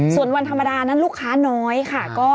ส่วนวันธรรมดานั้นลูกค้าน้อยค่ะ